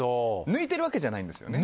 抜いてるわけじゃないんですよね？